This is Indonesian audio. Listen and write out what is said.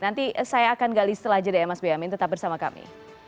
nanti saya akan gali setelah jeda ya mas boyamin tetap bersama kami